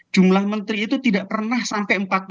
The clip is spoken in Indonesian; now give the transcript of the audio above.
jumlah menteri itu tidak pernah sampai